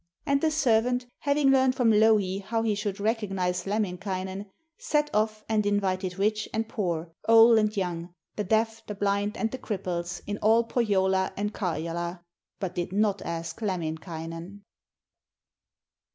And the servant, having learned from Louhi how she should recognise Lemminkainen, set off and invited rich and poor, old and young, the deaf, the blind, and the cripples in all Pohjola and Karjala, but did not ask Lemminkainen.